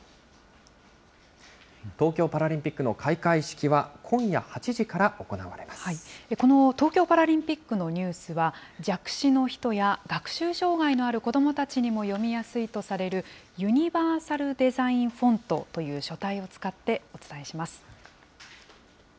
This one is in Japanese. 東京パラリンピックの開会式は、この東京パラリンピックのニュースは、弱視の人や学習障害のある子どもたちにも読みやすいとされる、ユニバーサルデザインフォントという書体を使ってお伝えします。